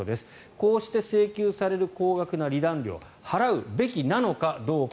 こうして請求される高額な離檀料払うべきなのかどうか。